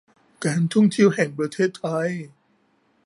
การท่องเที่ยวแห่งประเทศไทย